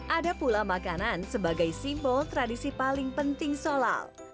ada pula makanan sebagai simbol tradisi paling penting solal